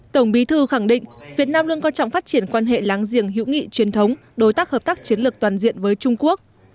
tổng bí thư khẳng định việt nam luôn quan trọng phát triển quan hệ láng giềng hữu nghị truyền thống đối tác hợp tác chiến lược toàn diện với trung quốc